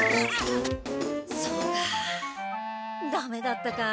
そうかダメだったか。